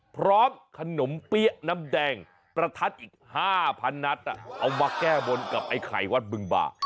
พร้อมขนมเปี้ยน้ำแดงประทัดอีก๕๐๐นัดเอามาแก้บนกับไอ้ไข่วัดบึงบ่า